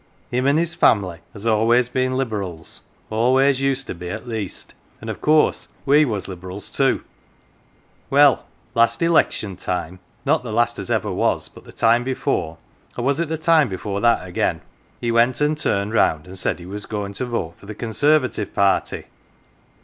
Him an' his family has always been Liberals always used to be at least and of course we was Liberals too. Well, last election time not the last as ever was, but the time before or was it the time before that again ? he went an' turned round and said he was goin' to vote for the Conservative party.